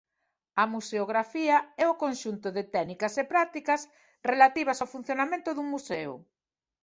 A museografía é o conxunto de técnicas e prácticas relativas ao funcionamento dun museo.